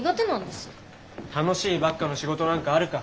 楽しいばっかの仕事なんかあるか。